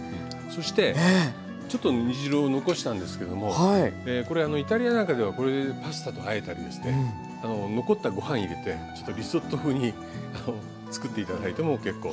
そしてちょっと煮汁を残したんですけどもイタリアなんかではこれでパスタとあえたりですね残ったご飯入れてちょっとリゾット風に作って頂いても結構。